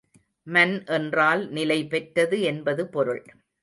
மன் என்றால் நிலைபெற்றது என்பது பொருள்.